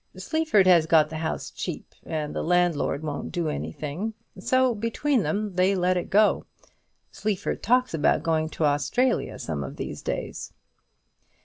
Sleaford has got the house cheap, and the landlord won't do anything; so between them they let it go. Sleaford talks about going to Australia some of these days."